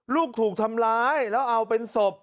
ถูกทำร้ายแล้วเอาเป็นศพ